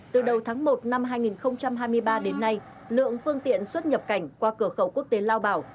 từ đầu tháng một năm hai nghìn hai mươi ba đến nay lượng phương tiện xuất nhập cảnh qua cửa khẩu quốc tế lao bảo